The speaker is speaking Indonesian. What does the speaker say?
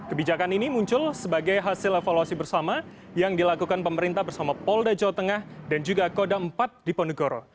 kebijakan ini muncul sebagai hasil evaluasi bersama yang dilakukan pemerintah bersama polda jawa tengah dan juga kodam empat di ponegoro